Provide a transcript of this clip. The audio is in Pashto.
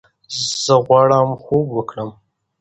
زۀ غواړم خوب وکړم!